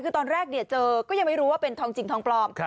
คือตอนแรกเจอก็ยังไม่รู้ว่าเป็นทองจริงทองปลอม